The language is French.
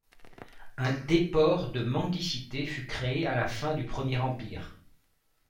Un déport de mendicité fut créé à la fin du Premier Empire.